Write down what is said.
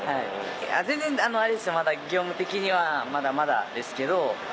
全然まだ業務的にはまだまだですけど。